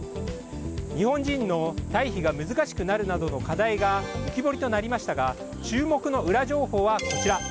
日本人の退避が難しくなるなどの課題が浮き彫りとなりましたが注目のウラ情報はこちら。